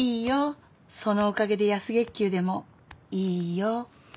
そのおかげで安月給でもいいよ。